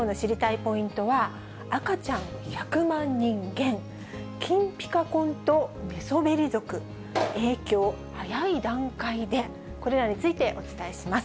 ポイントは、赤ちゃん１００万人減、金ピカ婚と寝そべり族、影響早い段階で、これらについてお伝えします。